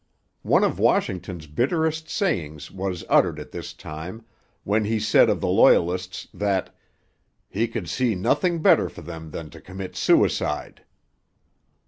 One of Washington's bitterest sayings was uttered at this time, when he said of the Loyalists that 'he could see nothing better for them than to commit suicide.'